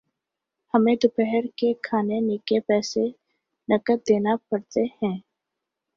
ہمیں دوپہر کے کھانےنکے پیسے نقد دینا پڑتے ہیں